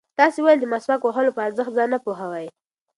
تاسې ولې د مسواک وهلو په ارزښت ځان نه پوهوئ؟